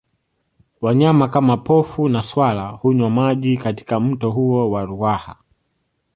Wanyama kama Pofu na swala hunywa maji katika mto huo wa Ruaha